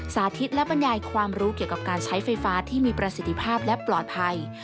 สาธิตและบรรยายความรู้เกี่ยวกับการใช้ไฟฟ้าที่มีประสิทธิภาพและปลอดภัย